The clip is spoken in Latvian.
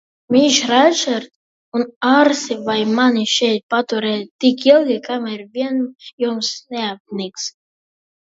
Miss Ratčed, un ārsti var mani šeit paturēt tik ilgi, kamēr vien jums neapnīk?